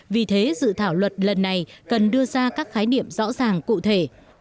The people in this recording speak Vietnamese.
vì thế dự thảo luật lần này cần đưa ra các khái niệm rõ ràng cụ thể